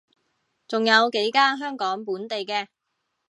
仲有幾間香港本地嘅